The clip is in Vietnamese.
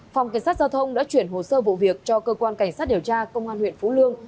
phòng cảnh sát giao thông đã chuyển hồ sơ vụ việc cho cơ quan cảnh sát điều tra công an huyện phú lương